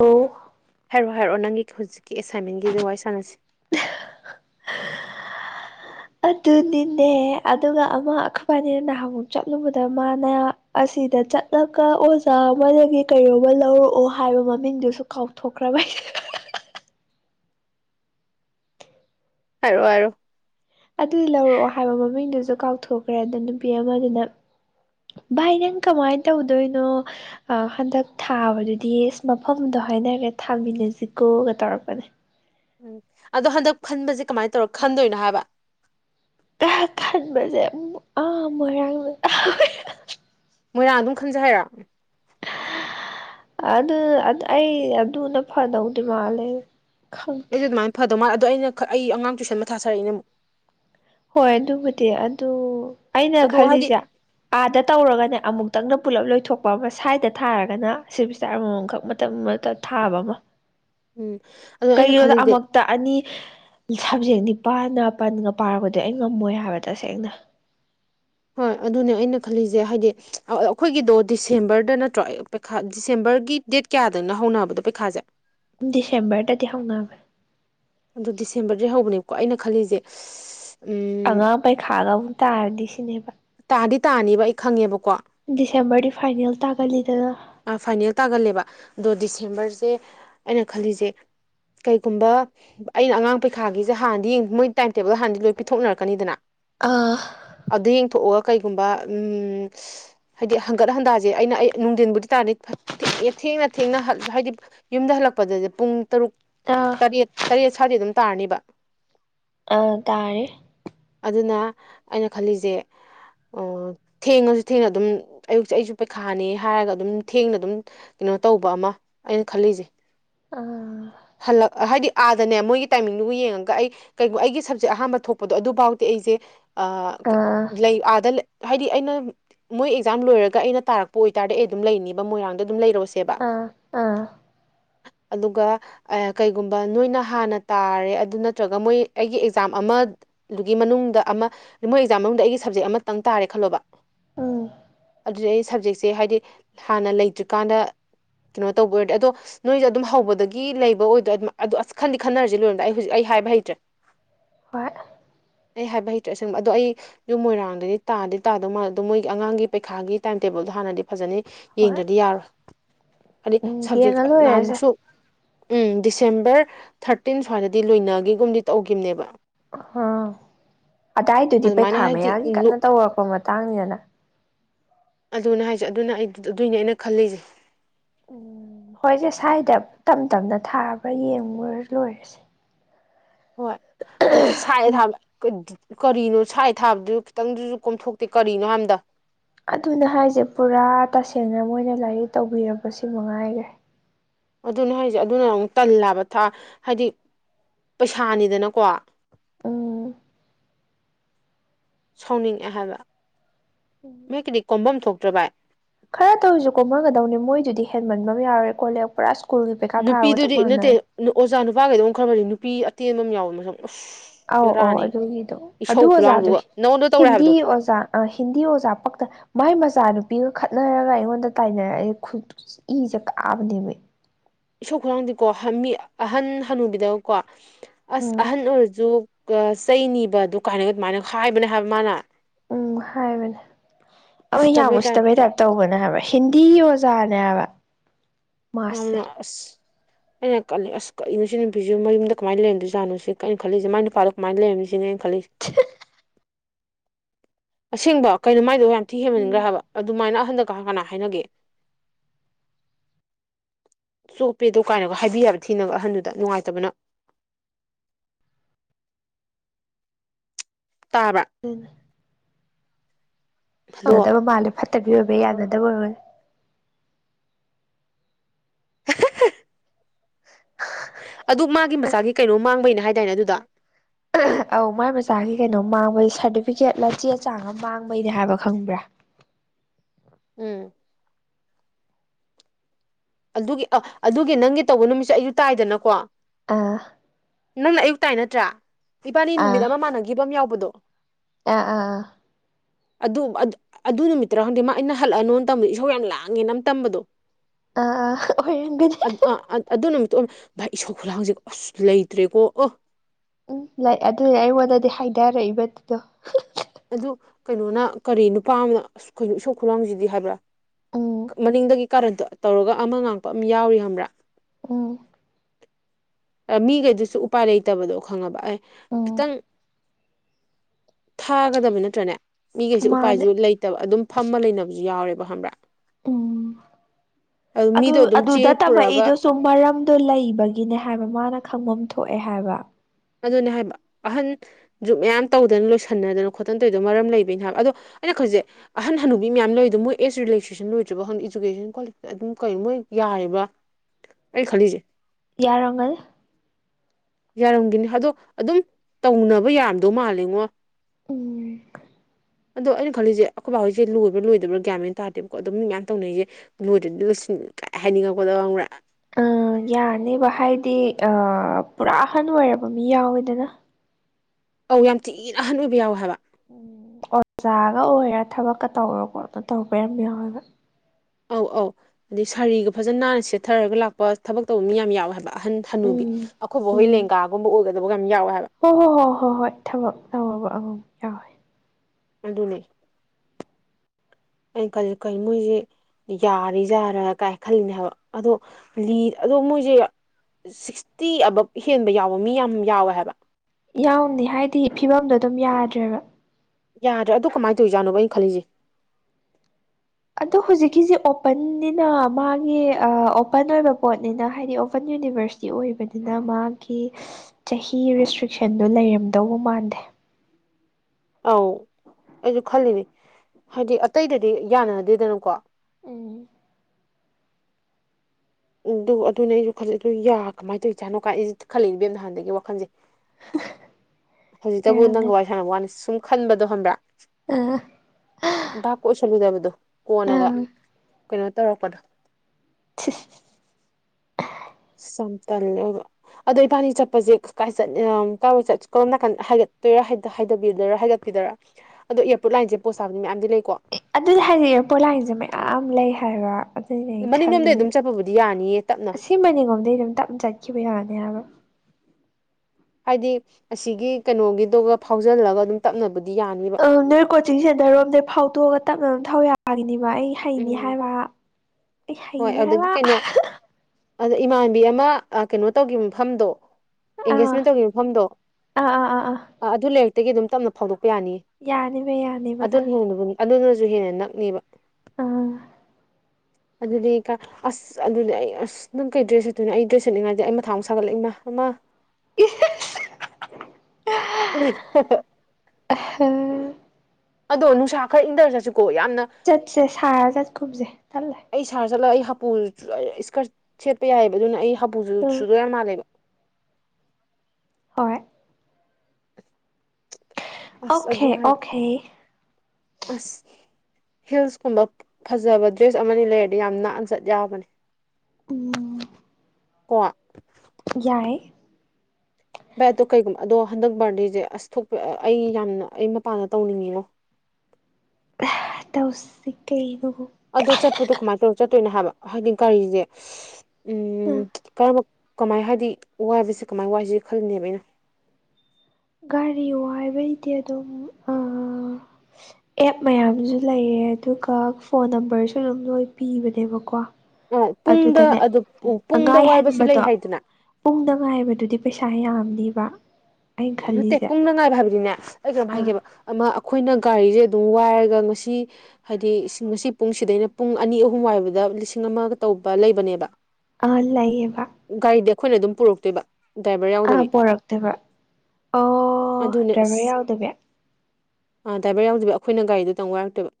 ꯑꯣ ꯍꯥꯏꯔꯛꯑꯣ ꯍꯥꯏꯔꯛꯑꯣ ꯅꯪꯒꯤ ꯍꯧꯖꯤꯛꯀꯤ ꯑꯦꯁꯥꯏꯟꯃꯦꯟꯒꯤꯁꯦ ꯋꯥꯔꯤ ꯁꯥꯟꯅꯁꯤ ꯑꯗꯨꯅꯤꯅꯦ ꯑꯗꯨꯒ ꯑꯃ ꯑꯩꯈꯕꯥꯅꯤꯅ ꯅꯍꯥꯟꯕꯨꯨꯛ ꯆꯠꯂꯨꯕꯗ ꯃꯥꯅ ꯑꯁꯤꯗ ꯆꯠꯂꯒ ꯑꯣꯖꯥ ꯑꯃꯗꯒꯤ ꯀꯩꯔꯨꯝꯕ ꯂꯧꯔꯛꯑꯣ ꯍꯥꯏꯕ ꯃꯃꯤꯡꯗꯨꯁꯨ ꯀꯥꯎꯊꯣꯛꯈ꯭ꯔꯕꯩ ꯍꯥꯏꯌꯣ ꯑꯗꯨꯗꯤ ꯂꯧꯔꯛꯑꯣ ꯍꯥꯏꯕ ꯃꯃꯤꯡꯗꯨꯁꯨ ꯀꯥꯎꯊꯣꯛꯈ꯭ꯔꯦ ꯑꯗꯣ ꯅꯨꯄꯤ ꯑꯃꯗꯨꯅ ꯚꯥꯏ ꯅꯪ ꯀꯃꯥꯏꯅ ꯇꯧꯗꯣꯏꯅꯣ ꯍꯟꯗꯛ ꯊꯥꯕꯗꯨꯗꯤꯁ ꯃꯐꯝꯗꯣ ꯍꯥꯏꯅꯔꯒꯦ ꯊꯥꯃꯤꯟꯅꯁꯤꯀꯣꯒ ꯇꯧꯔꯛꯄꯅꯦ ꯎꯝ ꯑꯗꯣ ꯍꯟꯗꯛ ꯈꯟꯕꯁꯦ ꯀꯃꯥꯏꯅ ꯇꯧꯔ ꯈꯟꯗꯣꯏꯅꯣ ꯍꯥꯏꯕ ꯇꯥ ꯊꯟꯥꯟꯕꯁꯦꯛ ꯑ ꯃꯣꯏꯔꯥꯡꯅ ꯇꯥꯕ ꯃꯣꯏꯔꯥꯡ ꯑꯗꯨꯝ ꯈꯟꯖꯩꯔꯛꯦ ꯑꯗꯨ ꯑꯩ ꯑꯗꯨꯅ ꯐꯗꯧꯗꯤ ꯃꯥꯜꯂꯦ ꯈꯪꯗꯦ ꯑꯩꯁꯨ ꯑꯗꯨꯃꯥꯏꯅ ꯐꯗꯧ ꯃꯥ ꯑꯗꯣ ꯑꯩꯅ ꯑꯩ ꯑꯉꯥꯡ ꯇꯨꯏꯁꯟ ꯑꯃ ꯊꯥꯔꯛꯏꯅꯦ ꯑꯃꯨꯛ ꯍꯣꯏ ꯑꯗꯨꯕꯨꯗꯤ ꯑꯗꯨ ꯑꯩꯅ ꯑꯗꯣ ꯍꯥꯏꯗꯤ ꯈꯜꯂꯤꯁꯦ ꯑꯥꯗ ꯇꯧꯔꯒꯅꯦ ꯑꯃꯨꯛꯇꯪꯅ ꯄꯨꯜꯂꯞ ꯂꯣꯏꯊꯣꯛꯄ ꯑꯃ ꯁꯥꯏꯗ ꯊꯥꯔꯒꯅ ꯁꯤꯕꯤꯇꯥꯔ ꯑꯃꯃꯝꯈꯛ ꯃꯇꯝ ꯇ ꯊꯥꯕ ꯑꯃ ꯎꯝ ꯑꯗ ꯑꯩꯅ ꯈꯜꯂꯤꯁꯦ ꯇ ꯑꯅꯤ ꯁꯕꯖꯦꯛ ꯅꯤꯄꯥꯥꯟꯅ ꯄꯟꯒ ꯄꯥꯔꯛꯄꯗꯣ ꯑꯩ ꯉꯝꯃꯣꯏ ꯍꯥꯏꯕ ꯇꯁꯦꯡꯅ ꯍꯣꯏ ꯑꯗꯨꯅꯦ ꯑꯩꯅ ꯈꯜꯂꯤꯁꯦ ꯍꯥꯏꯗꯤ ꯑꯩꯈꯣꯏꯒꯤꯗꯣ ꯗꯤꯁꯦꯝꯕꯔꯗ ꯅꯠꯇ꯭ꯔꯣ ꯄꯩꯈꯥ ꯗꯤꯁꯦꯝꯕꯔꯒꯤ ꯗꯦꯠ ꯀꯌꯥꯗꯪꯅ ꯍꯧꯅꯕꯗꯣ ꯄꯩꯈꯥꯁꯦ ꯗꯤꯁꯦꯝꯕꯔꯗꯗꯤ ꯍꯧꯅꯕ ꯑꯗꯨ ꯗꯤꯁꯦꯝꯕꯔꯗꯩ ꯍꯧꯕꯅꯦꯕꯀꯣ ꯑꯩꯅ ꯈꯜꯂꯤꯁꯦ ꯎꯝ ꯑꯉꯥꯡ ꯄꯩꯈꯥꯒꯕꯨꯨꯛ ꯇꯥꯔꯗꯤ ꯁꯤꯅꯦꯕ ꯇꯥꯗꯤ ꯇꯥꯅꯤꯕ ꯑꯩ ꯈꯪꯉꯦꯕꯀꯣ ꯗꯤꯁꯦꯝꯕꯔꯗꯤ ꯐꯥꯏꯅꯦꯜ ꯇꯥꯒꯜꯂꯤꯗꯅ ꯐꯥꯏꯅꯦꯜ ꯇꯥꯒꯜꯂꯦꯕ ꯑꯗꯣ ꯗꯤꯁꯦꯝꯕꯔꯁꯦ ꯑꯩꯅ ꯈꯜꯂꯤꯁꯦ ꯀꯩꯒꯨꯝꯕ ꯑꯩꯅ ꯑꯉꯥꯡ ꯄꯩꯈꯥꯒꯤꯁ ꯍꯥꯟꯅꯗꯤ ꯌꯦꯡ ꯃꯣꯏ ꯇꯥꯏꯝ ꯇꯦꯕꯜꯗ ꯍꯥꯟꯅꯗꯤ ꯂꯣꯏ ꯄꯤꯊꯣꯛꯅꯔꯛꯀꯅꯤꯗꯅ ꯑꯥ ꯑꯗꯨ ꯌꯦꯡꯊꯣꯛꯑꯒ ꯀꯩꯒꯨꯝꯕ ꯎꯝ ꯍꯥꯏꯗꯤ ꯍꯪꯒꯠ ꯍꯟꯗꯥꯁꯦ ꯑꯩꯅ ꯑꯩ ꯅꯨꯡꯊꯤꯟꯕꯨꯗꯤ ꯇꯥꯔꯅꯤ ꯑꯦ ꯊꯦꯡꯅ ꯊꯦꯡꯅ ꯍꯥꯏꯗꯤ ꯌꯨꯝꯗ ꯍꯜꯂꯛꯄꯗꯗꯤ ꯄꯨꯡ ꯇꯔꯨꯛ ꯇ ꯇꯔꯦꯠ ꯇꯔꯦꯠ ꯁ꯭ꯋꯥꯗꯤ ꯑꯗꯨꯝ ꯇꯥꯔꯅꯤꯕ ꯑꯥ ꯇꯥꯔꯦ ꯑꯗꯨꯅ ꯑꯩꯅ ꯈꯜꯂꯤꯁꯦ ꯑꯣ ꯊꯦꯡꯉꯁꯨ ꯊꯦꯡꯅ ꯑꯗꯨꯝ ꯑꯌꯨꯛꯁꯦ ꯑꯩꯁꯨ ꯄꯩꯈꯥꯅꯦ ꯍꯥꯏꯔꯒ ꯑꯗꯨꯝ ꯊꯦꯡꯅ ꯑꯗꯨꯝ ꯀꯩꯅꯣ ꯇꯧꯕ ꯑꯃ ꯑꯩꯅ ꯈꯜꯂꯤꯁꯦ ꯎꯝ ꯍꯜꯂꯛ ꯍꯥꯏꯗꯤ ꯑꯥꯗꯅꯦ ꯃꯣꯏꯒꯤ ꯇꯥꯏꯃꯤꯡꯗꯨꯕꯨ ꯌꯦꯡꯉꯒ ꯑꯩ ꯀꯩꯒꯨꯝꯕ ꯑꯩꯒꯤ ꯁꯞꯖꯦꯛ ꯑꯍꯥꯟꯕ ꯊꯣꯛꯄꯗꯣ ꯑꯗꯨꯐꯥꯎꯗꯤ ꯑꯩꯁꯦ ꯑꯥ ꯂꯩ ꯑꯥꯗ ꯍꯥꯏꯗꯤ ꯑꯩꯅ ꯃꯣꯏ ꯑꯦꯛꯖꯥꯝ ꯂꯣꯏꯔꯒ ꯑꯩꯅ ꯇꯥꯔꯛꯄ ꯑꯣꯏꯇꯥꯥꯔꯗꯤ ꯑꯩ ꯑꯗꯨꯝ ꯂꯩꯅꯦꯕ ꯃꯣꯏꯔꯥꯡꯗ ꯑꯗꯨꯝ ꯂꯩꯔꯛꯑꯣꯁꯦꯕ ꯑꯥ ꯑꯥ ꯑꯗꯨꯒ ꯀꯩꯒꯨꯝꯕ ꯅꯣꯏꯅ ꯍꯥꯟꯅ ꯇꯥꯔꯦ ꯑꯗꯨ ꯅꯠꯇ꯭ꯔꯒ ꯃꯣꯏ ꯑꯩꯒꯤ ꯑꯦꯛꯖꯥꯝ ꯑꯃ ꯑꯗꯨꯒꯤ ꯃꯅꯨꯡꯗ ꯑꯃ ꯃꯣꯏ ꯑꯦꯛꯖꯥꯝ ꯃꯅꯨꯡꯗ ꯑꯩꯒꯤ ꯁꯞꯖꯦꯛ ꯑꯃꯇꯪ ꯇꯥꯔꯦ ꯈꯜꯂꯣꯕ ꯎꯝ ꯑꯗꯨꯗꯤ ꯑꯩ ꯁꯞꯖꯦꯛꯁꯦ ꯁꯦ ꯍꯥꯏꯗꯤ ꯍꯥꯟꯅ ꯂꯩꯇ꯭ꯔꯤꯀꯥꯟꯗ ꯀꯩꯅꯣ ꯇꯧꯕ ꯑꯣꯏꯔꯗꯤ ꯑꯗꯣ ꯅꯣꯏꯁꯦ ꯑꯗꯨꯝ ꯍꯧꯕꯗꯒꯤ ꯂꯩꯕ ꯑꯣꯏꯗ ꯑꯗꯨꯝ ꯑ ꯑꯁ ꯈꯟꯗꯤ ꯈꯟꯅꯔꯁꯤꯦ ꯂꯣꯏꯔꯗ ꯑꯩ ꯍꯧꯖꯤꯛ ꯑꯩ ꯍꯥꯏꯕ ꯍꯩꯇ꯭ꯔꯦ ꯍꯣꯏ ꯑꯩ ꯍꯥꯏꯕ ꯍꯩꯇ꯭ꯔꯦ ꯁꯕ ꯑꯗꯣ ꯑꯩ ꯌꯨꯝ ꯃꯣꯏꯔꯥꯡꯗꯗꯤ ꯇꯥꯗꯤ ꯇꯥꯗꯧ ꯃꯥꯜꯗꯣ ꯃꯣꯏꯒꯤ ꯑꯉꯥꯡꯒꯤ ꯄꯩꯈꯥꯒꯤ ꯇꯥꯏꯝ ꯇꯦꯕꯜꯗꯣ ꯍꯥꯟꯅꯗꯤ ꯐꯖꯅꯤ ꯍꯣꯏ ꯌꯦꯡꯗ꯭ꯔꯗꯤ ꯌꯥꯔꯣꯏ ꯍꯥꯏꯗꯤ ꯎꯝ ꯁꯕꯖꯦꯛ ꯌꯦꯡꯉ ꯂꯣꯏꯔꯁꯦ ꯅꯍꯥꯟꯃꯨꯛꯁꯨ ꯎꯝ ꯗꯤꯁꯦꯝꯕꯔ ꯊꯥꯔꯇꯤꯟ ꯁ꯭ꯋꯥꯏꯗꯗꯤ ꯂꯣꯏꯅꯒꯤꯒꯨꯝꯗꯤ ꯇꯧꯈꯤꯕꯅꯦꯕ ꯑ ꯑꯗꯥꯏꯗꯨꯗꯤ ꯑꯗꯨꯃꯥꯏꯅ ꯄꯩꯈꯥ ꯍꯥꯏꯗꯤ ꯃꯌꯥꯒꯤ ꯀꯟꯅ ꯇꯧꯔꯛꯄ ꯃꯇꯥꯡꯅꯤꯗꯅ ꯑꯗꯨꯅ ꯍꯥꯏꯁꯦ ꯑꯗꯨꯅ ꯑꯩ ꯑꯗꯨꯏꯅꯦ ꯑꯩꯅ ꯈꯜꯂꯤꯁꯦ ꯎꯝ ꯍꯣꯏꯁꯦ ꯁ꯭ꯋꯥꯏꯗ ꯇꯞ ꯇꯞꯅ ꯊꯥꯕ꯭ꯔꯥ ꯌꯦꯡꯉꯨꯔ ꯂꯣꯏꯔꯁꯦ ꯍꯣꯏ ꯑꯗꯨ ꯁꯥꯏꯦ ꯊꯥꯕ ꯀꯔꯤꯅꯣ ꯁꯥꯏ ꯊꯥꯕꯗꯨꯁꯨ ꯈꯤꯇꯪꯗꯨꯁꯨ ꯀꯣꯝꯊꯣꯛꯇꯦ ꯀꯔꯤꯅꯣ ꯍꯥꯏꯝꯗ ꯑꯗꯨꯅ ꯍꯥꯏꯁꯦ ꯄꯨꯔꯥ ꯇꯁꯦꯡꯅ ꯃꯣꯏꯅ ꯂꯥꯏꯔꯤꯛ ꯇꯧꯕꯤꯔꯕꯁꯨ ꯃꯉꯥꯏꯔ꯭ꯔꯦ ꯑꯗꯨꯅꯦ ꯍꯥꯏꯁꯦ ꯑꯗꯨꯅ ꯑꯃꯨꯛ ꯇꯜꯂꯕ ꯍꯥꯏꯗꯤ ꯄꯩꯁꯥꯅꯤꯗꯅꯀꯣ ꯎꯝ ꯁꯥꯎꯅꯤꯡꯑꯦ ꯍꯥꯏꯕ ꯎꯝ ꯃꯤꯦꯛꯒꯤꯗꯤ ꯀꯣꯝꯐꯝ ꯊꯣꯛꯇ꯭ꯔ ꯚꯥꯏ ꯈꯔ ꯇꯧꯔꯤꯁꯁꯨ ꯀꯣ ꯃꯥꯟꯒꯗꯧꯅꯦ ꯃꯣꯏꯗꯨꯗꯤ ꯍꯦꯟꯃꯟꯕ ꯌꯥꯎꯔꯦ ꯀꯣꯠꯂꯦ ꯄꯨꯔꯥ ꯁ꯭ꯀꯨꯜꯒꯤ ꯄꯩꯈꯥ ꯊꯥꯔꯒ ꯆꯞ ꯅꯨꯄꯤꯗꯨꯗꯤ ꯅꯠꯇꯦ ꯃꯥꯟꯅꯔꯦ ꯑꯣꯖꯥ ꯅꯨꯄꯥꯈꯩꯗꯧ ꯑꯃ ꯈ꯭ꯔꯕꯗꯤ ꯅꯨꯄꯤ ꯑꯇꯦꯟꯕ ꯑꯃ ꯌꯥꯎꯕ ꯃꯁ ꯎ ꯑꯧ ꯑꯧ ꯑꯗꯨꯒꯤꯗꯣ ꯑꯗꯨ ꯑꯣꯖꯥꯗꯨꯣ ꯅꯉꯣꯟꯗ ꯇꯧꯔꯦ ꯍꯤꯟꯗꯤ ꯍꯥꯏꯕꯗꯣ ꯑꯣꯖꯥ ꯑ ꯍꯤꯟꯗꯤ ꯑꯣꯖꯥ ꯄꯛꯇ ꯃꯥꯏ ꯃꯆꯥꯅꯨꯄꯤꯒ ꯈꯠꯅꯔꯒ ꯑꯩꯉꯣꯟꯗ ꯇꯥꯏꯅꯔꯛꯑꯦ ꯏ ꯆꯀ ꯑꯕ ꯅꯕꯦ ꯏꯁꯣꯛ ꯈꯨꯗꯥꯥꯡꯗꯤꯀꯣ ꯃꯤ ꯑꯍꯟ ꯍꯟꯅꯨꯕꯤꯗꯀꯣ ꯑꯁ ꯎꯝ ꯑꯍꯟ ꯑꯣꯏꯔꯁꯨ ꯆꯩꯅꯤꯕ ꯑꯗꯨ ꯀꯥꯏꯅꯒ ꯑꯗꯨꯃꯥꯏꯅ ꯍꯥꯏꯥꯏꯕꯅꯦ ꯍꯥꯏꯕ ꯃꯥꯅ ꯎꯝ ꯍꯥꯏꯕꯅꯦ ꯑꯩꯈꯣꯏ ꯌꯥꯝꯕꯨ ꯎꯁꯤꯠꯇꯕꯩ ꯁꯤꯠꯇꯕꯩ ꯇꯥꯏꯞꯇ ꯇꯥꯏꯞ ꯇꯧꯕꯅꯦ ꯍꯥꯏꯕ ꯍꯤꯟꯗꯤꯒꯤ ꯑꯣꯖꯥꯅꯦꯕ ꯑꯅ ꯑꯁ ꯑꯩꯅ ꯈꯜꯂꯤ ꯑꯁ ꯀꯏ ꯉꯁꯤ ꯅꯨꯄꯤꯁꯤꯁꯨ ꯃꯌꯨꯝꯗ ꯀꯃꯥꯏꯅ ꯂꯩꯔꯝꯣꯏꯖꯥꯅꯣ ꯁꯤ ꯑꯩꯅ ꯈꯜꯂꯤꯁꯦ ꯃꯒꯤ ꯅꯨꯄꯥꯗꯣ ꯁꯨꯃꯥꯏꯅ ꯂꯩꯔꯃꯤꯁꯤꯅꯦꯅ ꯈꯜꯂꯤꯁꯤ [inaudible] ꯑꯁꯦꯡꯕ ꯀꯩꯅꯣ ꯃꯥꯏꯗꯣ ꯌꯥꯝ ꯊꯤ ꯎꯝ ꯍꯦꯟꯃꯟꯈ꯭ꯔꯦ ꯍꯥꯏꯕ ꯑꯗꯨꯃꯥꯏꯅ ꯑꯍꯟꯗ ꯀꯥꯟ ꯀꯅꯥ ꯍꯥꯏꯅꯒꯦ ꯑꯣꯞꯄꯦꯗꯣ ꯀꯥꯏꯅꯒ ꯍꯥꯏꯕꯤ ꯌꯥꯕ ꯊꯤꯅꯒ ꯑꯍꯟꯗꯨꯗ ꯅꯨꯡꯉꯥꯏꯇꯕꯅ ꯇꯥꯕ ꯑꯗꯨ ꯍꯜꯂꯣ ꯐꯅꯗꯕ ꯃꯥꯜꯂꯦ ꯐꯠꯇꯕꯤ ꯑꯣꯏꯕ ꯌꯥꯅꯗꯕ ꯑꯣꯏꯕ ꯑꯗꯨ ꯃꯥꯒꯤ ꯃꯆꯥꯒꯤ ꯀꯩꯅꯣ ꯃꯥꯡꯕꯩꯅ ꯍꯥꯏꯗꯥꯏꯅꯦ ꯑꯗꯨꯗ ꯑꯧ ꯃꯥꯏ ꯃꯆꯥꯒꯤ ꯀꯩꯅꯣ ꯃꯥꯡꯕ ꯁꯥꯔꯇꯤꯐꯤꯀꯦꯠ ꯆꯦ ꯑ ꯆꯥꯡ ꯑꯃ ꯃꯥꯡꯕꯩꯅꯦ ꯍꯥꯏꯕ ꯈꯪꯕ꯭ꯔꯥ ꯎꯝ ꯑꯗꯨꯒꯤ ꯑꯗꯨꯒꯤ ꯅꯪꯒꯤ ꯇꯧꯕ ꯅꯨꯃꯤꯠꯁꯦ ꯑꯩꯁꯨ ꯇꯥꯏꯗꯅꯀꯣ ꯑꯥ ꯅꯪ ꯑꯌꯨꯛꯛꯇꯥꯏ ꯅꯠꯇ꯭ꯔꯥ ꯏꯕꯥꯅꯤ ꯅꯨꯃꯤꯠ ꯑꯥ ꯑꯃ ꯃꯥꯟꯅꯈꯤꯕ ꯑꯃ ꯌꯥꯎꯕꯗꯣ ꯑꯥ ꯑꯥ ꯑꯗꯨ ꯑꯗꯨ ꯅꯨꯃꯤꯠꯇꯔ ꯈꯪꯗꯦ ꯃꯥ ꯑꯩꯅ ꯍꯜꯂꯛꯑꯅꯣꯅ ꯇꯝꯕꯗꯤ ꯏꯁꯧ ꯌꯥꯝ ꯂꯥꯡꯉꯦꯅ ꯑꯃ ꯇꯝꯕꯗꯣ ꯑ ꯑꯗꯨ ꯅꯨꯃꯤꯠꯇꯣ ꯑꯣꯏ ꯚꯥꯏ ꯏꯁꯧ ꯈꯨꯂꯥꯡꯁꯦ ꯑꯁ ꯂꯩꯇ꯭ꯔꯦꯀꯣ ꯑꯣ ꯎꯝ ꯂꯥꯛ ꯑꯗꯨꯅꯦ ꯑꯩꯉꯣꯟꯗꯗꯤ ꯍꯥꯏꯊꯔꯛꯏꯕꯗꯨꯗꯣ ꯑꯗꯨ ꯀꯩꯅꯣꯅ ꯀꯔꯤ ꯅꯨꯄꯥ ꯑꯃꯅ ꯀꯩꯅꯣ ꯏꯁꯣꯛ ꯈꯨꯂꯥꯡꯁꯤꯗꯤ ꯍꯥꯏꯕ꯭ꯔꯥ ꯎꯝ ꯃꯅꯤꯡꯗꯒꯤ ꯀꯥꯔꯟꯇꯣ ꯇꯧꯔꯒ ꯑꯃ ꯉꯥꯡꯄ ꯑꯃ ꯌꯥꯎꯔꯤ ꯈꯕ꯭ꯔꯥ ꯑꯣ ꯃꯤꯈꯩꯗꯨꯁꯨ ꯎꯄꯥꯏ ꯂꯩꯇꯕꯗꯣ ꯈꯪꯉꯕ ꯑꯦ ꯎꯝ ꯈꯤꯇꯪ ꯊꯥꯒꯗꯕ ꯅꯠꯇ꯭ꯔꯅꯦ ꯃꯤꯈꯩꯁꯦ ꯎꯄꯥꯏꯁꯨ ꯃꯥꯅꯦ ꯂꯩ ꯑꯗꯨꯝ ꯐꯝꯃ ꯂꯩꯅꯕꯁꯨ ꯌꯥꯎꯔꯦꯕ ꯈꯪꯕ꯭ꯔꯥ ꯎꯝ ꯑꯗꯨ ꯃꯤꯗꯣ ꯑꯗꯨꯝ ꯆꯦ ꯄꯨꯔꯛꯒ ꯁꯨꯝ ꯃꯔꯝꯗꯣ ꯂꯩꯕꯒꯤꯅꯦ ꯍꯥꯏꯕ ꯃꯥꯅ ꯈꯪꯐꯝ ꯊꯣꯛꯑꯦ ꯍꯥꯏꯕ ꯑꯗꯨꯅꯦ ꯍꯥꯏꯕ ꯑꯍꯟ ꯖꯨꯛ ꯃꯌꯥꯝ ꯇꯧꯗꯅ ꯂꯣꯏꯁꯟꯅꯗꯅ ꯈꯣꯠꯇꯅ ꯇꯧꯔꯤꯗꯅ ꯃꯔꯝ ꯂꯩꯕꯅ ꯍꯥꯏꯕ ꯑꯗꯣ ꯑꯩꯅ ꯈꯁꯦ ꯑꯍꯟꯟꯅꯅꯕꯤ ꯃꯌꯥꯝ ꯂꯩꯔꯤꯗꯦ ꯃꯣꯏ ꯑꯦꯁ ꯔꯤꯂꯦꯛꯁꯦꯁꯟ ꯂꯣꯏ꯭ꯔ ꯍꯧ ꯏꯖꯀꯦꯁꯟ ꯑꯗꯨꯝ ꯀꯩꯅ ꯃꯣꯏ ꯌꯥꯏꯑꯕ ꯑꯩ ꯈꯜꯂꯤꯁꯦ ꯌꯥꯔꯣꯒ ꯌꯥꯔꯝꯒꯅꯤ ꯑꯗꯣ ꯑꯗꯨꯝ ꯇꯧꯅꯕ ꯌꯥꯗꯧ ꯃꯥꯂꯉꯣ ꯎ ꯑꯗꯣ ꯑꯩꯅ ꯈꯜꯂꯤꯁꯦ ꯑꯩꯈꯣꯏꯕꯕꯥꯖꯤꯁꯦ ꯂꯣꯏꯕ꯭ꯔꯥꯣꯏꯕ꯭ꯔꯥꯒ꯭ꯌꯥꯃꯦꯅ ꯇꯥꯔꯦꯕꯀꯣ ꯑꯗꯨꯝ ꯃꯤ ꯃꯌꯥꯝ ꯇꯧꯅꯩꯁꯦ ꯅꯣꯏꯗꯨ ꯀ ꯍꯥꯏꯅꯤꯡꯉꯛꯄꯗꯕ꯭ꯔꯥ ꯑ ꯌꯥꯅꯦꯕ ꯍꯥꯏꯗꯤ ꯑ ꯄꯨꯔꯥ ꯑꯍꯟ ꯑꯣꯏꯔꯕ ꯃꯤ ꯌꯥꯎꯋꯦꯗꯅ ꯑꯧ ꯌꯥꯝ ꯊꯤꯅ ꯑꯍꯟ ꯑꯣꯏꯕ ꯌꯥꯎꯋꯦ ꯍꯥꯏꯕ ꯎꯝ ꯑꯣꯖꯥꯒ ꯑꯣꯏꯔ ꯊꯕꯛꯀ ꯇꯧꯔꯣ ꯈꯣꯅ ꯇꯧꯕꯔ ꯌꯥꯎꯔꯒ ꯑꯧ ꯑꯧ ꯑꯗꯩ ꯁꯥꯔꯤꯒ ꯐꯖꯅ ꯅꯥꯟꯅ ꯁꯦꯠꯊꯔꯒ ꯂꯥꯛꯄ ꯊꯕꯛ ꯇꯧꯕ ꯃꯤ ꯌꯥꯝ ꯌꯥꯎꯋꯦ ꯍꯥꯏꯕ ꯑꯍꯟ ꯍꯅꯨꯕꯤ ꯎꯝ ꯑꯩꯈꯣꯏꯕꯨ ꯍꯣꯏ ꯎꯝ ꯂꯦꯡꯒꯥꯒꯨꯝꯕ ꯑꯣꯏꯒꯗꯕ ꯌꯥꯝ ꯌꯥꯎꯋꯦ ꯍꯥꯏꯕ ꯍꯣꯏ ꯍꯣꯏ ꯍꯣꯏ ꯍꯣꯏ ꯍꯣꯏ ꯊꯕꯛ ꯇꯧꯃꯕ ꯑꯃꯝ ꯌꯥꯎꯋꯦ ꯑꯗꯨꯅꯦ ꯑꯩ ꯀꯩ ꯃꯣꯏꯁꯦ ꯌꯥꯔꯤ ꯌꯥꯔ ꯀꯥꯏ ꯈꯜꯂꯤꯅꯦ ꯍꯥꯏꯕ ꯑꯗꯣ ꯂꯤ ꯑꯗꯣ ꯃꯣꯏꯁꯦ ꯁꯤꯛꯁꯇꯤ ꯑꯕꯞ ꯍꯦꯟꯕ ꯌꯥꯎꯕ ꯃꯤ ꯌꯥꯝ ꯌꯥꯎꯋꯦ ꯍꯥꯏꯕ ꯌꯥꯎꯅꯤ ꯍꯥꯏꯗꯤ ꯐꯤꯕꯝꯗꯣ ꯑꯗꯨꯝ ꯌꯥꯗ꯭ꯔꯦꯕ ꯌꯥꯗ꯭ꯔꯦ ꯑꯗꯨꯣ ꯀꯃꯥꯏꯅ ꯇꯧꯔꯤꯖꯥꯅꯣ ꯑꯩꯅ ꯈꯜꯂꯤꯁꯦ ꯑꯗꯣ ꯍꯧꯖꯤꯛꯀꯤꯁ ꯑꯣꯄꯟꯅꯤꯅ ꯃꯥꯒꯤ ꯑꯣꯄꯟ ꯑꯣꯏꯕ ꯄꯣꯠꯅꯤꯅ ꯍꯥꯏꯗꯤ ꯑꯣꯄꯟ ꯌꯨꯅꯤꯕꯔꯁ ꯁꯤꯗꯤ ꯑꯣꯏꯕꯅꯤꯅ ꯃꯥꯒꯤ ꯆꯍꯤ ꯔꯦꯁꯇ꯭ꯔꯤꯛꯁꯟꯗꯣ ꯂꯩꯔꯝꯗꯧꯕ ꯃꯥꯟꯗꯦ ꯑꯧ ꯑꯩꯁꯨ ꯈꯜꯂꯤꯅꯦ ꯍꯥꯏꯗꯤ ꯑꯇꯩꯗꯗꯤ ꯌꯥꯅꯗꯦꯗꯅꯀꯣ ꯎꯝ ꯑꯗꯨ ꯑꯗꯨꯅꯦ ꯑꯩꯁꯨꯂ ꯑꯗꯨ ꯌꯥ ꯀꯃꯥꯏꯅ ꯇꯧꯔꯤꯖꯥꯅꯣ ꯀꯥꯏ ꯑꯩꯁꯦ ꯈꯜꯂꯛꯏ ꯏꯕꯦꯝ ꯅꯍꯥꯟꯗꯒꯤ ꯋꯥꯈꯟꯁꯦ ꯍꯧꯖꯤꯛꯇꯕꯨ ꯎꯝ ꯅꯪꯒ ꯋꯥꯔꯤ ꯁꯥꯟꯅꯕ ꯋꯥꯅꯤ ꯁꯨꯝ ꯈꯟꯕꯗꯣ ꯍꯕ꯭ꯔꯥ ꯑꯝ ꯚꯥꯞꯀ ꯑꯣꯏꯁꯜꯂꯨꯗꯕꯗꯣ ꯀꯣꯟꯅꯒ ꯑ ꯀꯩꯅꯣ ꯇꯧꯔꯛꯄꯗꯣ [inaudible] ꯌꯥꯝ ꯇꯜꯂꯦ ꯑꯑꯣꯢꯕ ꯑꯗꯣ ꯏꯄꯥꯅꯤ ꯆꯠꯄꯁꯦ ꯀꯔꯣꯝ ꯅꯥꯀꯟ ꯍꯥꯏꯒꯠꯇꯣꯏꯔ ꯍꯥꯏꯗꯣꯏꯔꯥ ꯍꯥꯏ ꯐꯤꯗꯔ ꯑꯗꯣ ꯏꯌꯥꯔꯄꯣꯔꯠ ꯂꯥꯏꯟꯁꯦ ꯄꯣꯠ ꯊꯥꯕꯅꯤ ꯃꯌꯥꯝꯗꯤ ꯂꯩꯀꯣ ꯑꯗꯨꯅꯦ ꯍꯥꯢꯁꯤ ꯑꯏꯔꯣꯠ ꯂꯥꯟ ꯁꯦ ꯃꯌꯥꯝ ꯂꯩ ꯍꯥꯢꯕꯥ ꯑꯗꯨꯅꯦ ꯈꯜꯂꯤ ꯃꯅꯤꯡꯂꯣꯝꯗꯩ ꯑꯗꯨꯝ ꯆꯠꯄꯕꯨꯗꯤ ꯌꯥꯅꯤꯌꯦ ꯇꯞꯅ ꯁꯤ ꯃꯅꯤꯂꯣꯝꯗꯒꯤ ꯑꯗꯨꯝ ꯇꯞꯅ ꯆꯠꯈꯤꯕ ꯌꯥꯒꯅꯤ ꯍꯥꯏꯕ ꯍꯥꯏꯗꯤ ꯑꯁꯤꯒꯤ ꯀꯩꯅꯣꯒꯤꯗꯨꯒ ꯐꯥꯎꯖꯜꯂꯒ ꯑꯗꯨꯝ ꯇꯞꯅꯕꯨꯗꯤ ꯌꯥꯅꯤ ꯅꯣꯏ ꯀꯣꯆꯤꯡ ꯁꯦꯟꯇꯔꯣꯝꯗꯩ ꯐꯥꯎꯗꯣꯛꯑꯒ ꯇꯞꯅ ꯊꯧ ꯌꯥꯒꯤꯅꯦꯕ ꯑꯩ ꯍꯩꯅꯤ ꯎꯝ ꯍꯥꯏꯕ ꯑꯩ ꯍꯣꯏ ꯍꯩꯅꯤ ꯑꯗꯨꯗꯒꯤ ꯍꯥꯏꯕ ꯀꯩꯅꯣ ꯑꯗ ꯏꯃꯥꯟꯕꯤ ꯑꯃ ꯀꯩꯅꯣ ꯇꯧꯈꯤꯕ ꯃꯐꯝꯗꯣ ꯑꯥ ꯑꯥ ꯑꯦꯡꯒꯦꯖꯃꯦꯟ ꯇꯧꯈꯤꯕ ꯃꯐꯝꯗꯣ ꯑꯥ ꯑꯥ ꯑꯥ ꯑꯗꯨ ꯂꯥꯏꯔꯤꯛꯇꯒꯤ ꯑꯗꯨꯝ ꯇꯝꯅ ꯐꯥꯎꯗꯣꯛꯄ ꯌꯥꯅꯤ ꯌꯥꯅꯤꯕ ꯌꯥꯅꯤꯕ ꯑꯗꯨꯅ ꯍꯦꯟꯅꯥ ꯑꯗꯨꯅꯁꯨ ꯍꯦꯟꯅ ꯅꯛꯅꯦꯕ ꯑꯥ ꯑꯗꯨꯗꯤ ꯀ ꯑꯁ ꯑꯗꯨꯗꯤ ꯑꯩ ꯑꯁ ꯅꯪ ꯀꯩ ꯗ꯭ꯔꯦꯁ ꯁꯦꯠꯇꯣꯏꯅꯦ ꯑꯩ ꯗ꯭ꯔꯦꯁ ꯁꯦꯠꯅꯤꯡꯉꯥꯏꯗꯤꯦ ꯑꯩ ꯃꯊ ꯑꯃ ꯁꯥꯒꯠꯂꯛꯏ ꯏꯃ ꯑꯃꯥ [inaudible] ꯎ [inaudible] ꯑ [inaudible] ꯑꯗꯣ ꯅꯨꯡꯁꯥ ꯈꯔ ꯏꯪꯊꯔ ꯆꯠꯁꯤꯀꯣ ꯌꯥꯝꯅ ꯆꯠꯁꯦ ꯁꯥꯔ ꯆꯠꯀꯨꯝꯁꯦ ꯊꯜꯂꯦ ꯑꯩ ꯁꯥꯍꯔ ꯆꯠꯂꯒ ꯑꯩ ꯍꯥꯄꯨ ꯏꯁꯀꯔꯠ ꯁꯦꯠꯄ ꯌꯥꯏꯑꯕ ꯑꯗꯨꯅ ꯑꯩ ꯍꯥꯄꯨꯁꯨ ꯑꯥ ꯆꯨꯗ ꯌꯥꯝ ꯃꯥꯜꯂꯦꯕ ꯍꯣꯏ ꯑꯁ ꯑꯗꯨ ꯑꯣꯀꯦ ꯍꯥꯏꯔꯒ ꯑꯣꯀꯦ ꯑꯁ ꯍꯤꯜꯁꯀꯨꯝꯕ ꯐꯖꯕ ꯗ꯭ꯔꯦꯁ ꯑꯃꯅꯤ ꯂꯩꯔꯗꯤ ꯌꯥꯝ ꯟꯆꯠ ꯌꯥꯕꯅꯦ ꯎꯝ ꯀꯣ ꯌꯥꯏ ꯕꯦꯠꯇꯣ ꯀꯩꯒꯨꯝꯕ ꯑꯗꯣ ꯍꯟꯗꯛ ꯕꯥꯔꯗꯦꯁꯦ ꯑꯁ ꯊꯣꯛꯄ ꯑꯩ ꯌꯥꯝꯅ ꯑꯩ ꯃꯄꯥꯟꯗ ꯇꯧꯅꯤꯡꯉꯤꯅꯣ ꯇꯧꯁꯤ ꯀꯩꯅꯣ ꯑꯗꯣ ꯆꯠꯄꯗꯣ ꯀꯃꯥꯏꯅ ꯇꯧꯔ ꯆꯠꯇꯣꯏꯅꯣ ꯍꯥꯏꯕ ꯍꯥꯏꯗꯤ ꯒꯥꯔꯤꯁꯦ ꯑꯥ ꯎꯝ ꯀꯃꯥꯏ ꯍꯥꯏꯗꯤ ꯋꯥꯏꯕꯁꯤ ꯀꯃꯥꯏ ꯋꯥꯏꯁꯤ ꯈꯜꯂꯤꯅꯦꯕ ꯑꯩꯅ ꯒꯥꯔꯤ ꯋꯥꯏꯕꯩꯗꯤ ꯑꯗꯨꯝ ꯑ ꯑꯦꯞ ꯃꯌꯥꯝꯁꯨ ꯂꯩꯌꯦ ꯑꯗꯨꯒ ꯐꯣꯟ ꯅꯝꯕꯔꯁꯨ ꯑꯗꯨꯝ ꯂꯣꯏ ꯄꯤꯕꯅꯦꯕꯀꯣ ꯑꯥ ꯄꯨꯡꯗ ꯑꯗꯨꯗꯅꯦ ꯑꯗꯨ ꯎꯝ ꯄꯨꯡꯗ ꯋꯥꯏꯕꯁꯨ ꯂꯩ ꯉꯥꯏꯍꯟꯕꯗꯣ ꯍꯥꯏꯗꯅ ꯄꯨꯡꯗ ꯉꯥꯏꯕꯗꯨꯗꯤ ꯄꯩꯁꯥ ꯌꯥꯝꯅꯤꯕ ꯑꯩꯅ ꯎ ꯅꯠꯇꯦ ꯈꯜꯂꯤꯁꯦ ꯄꯨꯡꯅ ꯉꯥꯏꯕ ꯍꯥꯏꯕꯗꯤꯅꯦ ꯑꯩ ꯀꯩꯅꯝ ꯑꯥ ꯍꯥꯏꯒꯦꯕ ꯑꯃ ꯑꯩꯈꯣꯏꯅ ꯒꯥꯔꯤꯁꯦ ꯑꯗꯨꯝ ꯋꯥꯏꯔꯒ ꯉꯁꯤ ꯍꯥꯏꯗꯤ ꯉꯁꯤ ꯄꯨꯡ ꯁꯤꯗꯩꯅ ꯄꯨꯡ ꯑꯅꯤ ꯑꯍꯨꯝ ꯋꯥꯏꯕꯗ ꯂꯤꯁꯤꯡ ꯑꯃꯒ ꯇꯧꯕ ꯂꯩꯕꯅꯦꯕ ꯑ ꯂꯩꯌꯦꯕ ꯒꯥꯔꯤꯗꯤ ꯑꯩꯈꯣꯏꯅ ꯑꯗꯨꯝ ꯄꯨꯔꯛꯇꯣꯏꯕ ꯗ꯭ꯔꯥꯏꯚꯔ ꯑ ꯌꯥꯎꯗꯕꯤ ꯄꯣꯔꯣꯛꯛꯇꯦꯕ꯭ꯔ ꯑꯣ ꯑꯗꯨꯅꯦ ꯗ꯭ꯔꯥꯏꯚꯔ ꯑꯁ ꯌꯥꯎꯗꯕꯤ ꯑ ꯗ꯭ꯔꯥꯏꯚꯔ ꯌꯥꯎꯗꯕ ꯑꯩꯈꯣꯏꯅ ꯒꯥꯔꯤꯗꯨꯇꯪ ꯋꯥꯏꯔꯛꯇꯣꯏꯕ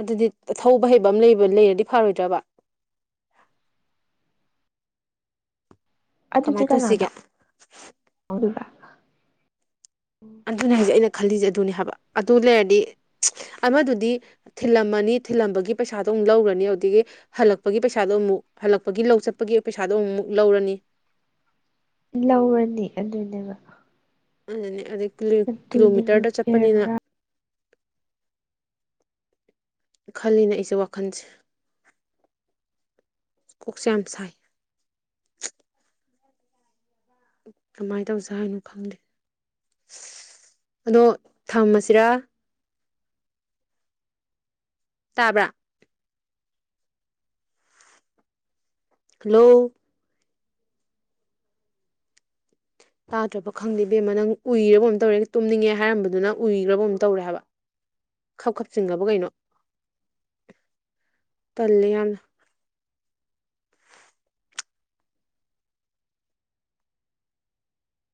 ꯑꯗꯨꯗꯤ ꯊꯧꯕ ꯍꯩꯕ ꯑꯃ ꯂꯩꯕ ꯂꯩꯔꯗꯤ ꯐꯔꯣꯏꯗ꯭ꯔꯕ ꯑꯗꯨꯗꯤ ꯀꯃꯥꯏꯅ ꯀꯅꯥ ꯇꯧꯁꯤꯒꯦ ꯊꯧꯗꯣꯢꯕ ꯑꯗꯨꯅꯦ ꯍꯥꯏꯁꯦ ꯑꯩꯅ ꯈꯜꯂꯤꯁꯦ ꯑꯗꯨꯅꯦ ꯍꯥꯏꯕ ꯑꯗꯨ ꯂꯩꯔꯗꯤ ꯑꯃꯗꯨꯗꯤ ꯊꯤꯜꯂꯝꯃꯅꯤ ꯊꯤꯜꯂꯝꯕꯒꯤ ꯄꯩꯁꯥꯗꯣ ꯑꯃꯨꯛ ꯂꯧꯔꯅꯤ ꯑꯗꯨꯗꯒꯤ ꯍꯜꯂꯛꯄꯒꯤ ꯄꯩꯁꯥꯗꯣ ꯑꯃꯨꯛ ꯍꯜꯂꯛꯄꯒꯤ ꯂꯧ ꯆꯠꯄꯒꯤ ꯄꯩꯁꯥꯗꯣ ꯑꯃꯨꯛꯃꯨꯛ ꯂꯧꯔꯅꯤ ꯂꯧꯔꯅꯤ ꯑꯗꯨꯅꯦꯕ ꯑꯗꯨꯅꯦ ꯑꯗꯩ ꯀꯤꯂꯣꯃꯤꯇꯔꯗ ꯆꯠꯄꯅꯤꯅ ꯑ [unintelligible] ꯈꯜꯂꯤꯅꯦ ꯑꯩꯁꯦ ꯋꯥꯈꯜꯁꯦ ꯀꯣꯛꯆ ꯌꯥꯝ ꯁꯥꯏ ꯀꯃꯥꯏꯅ ꯇꯧꯁ ꯍꯥꯏꯅꯣ ꯈꯪꯗꯦ ꯑꯗꯣ ꯊꯝꯃꯁꯤꯔꯥ ꯇꯥꯕ꯭ꯔꯥ ꯍꯜꯂꯣ ꯇꯥꯗ꯭ꯔꯕ ꯈꯪꯗꯦ ꯕꯦꯝꯃ ꯅꯪ ꯎꯏꯔꯕꯕ ꯑꯃ ꯇꯧꯔꯦ ꯇꯨꯝꯅꯤꯡꯉꯦ ꯍꯥꯏꯔꯝꯕꯗꯨꯅ ꯎꯏꯈ꯭ꯔꯕ ꯑꯃ ꯇꯧꯔꯦ ꯍꯥꯏꯕ ꯍꯝ ꯈꯞ ꯈꯞ ꯆꯤꯡꯉꯕ ꯀꯩꯅꯣ ꯇꯜꯂꯦ ꯌꯥꯝꯅ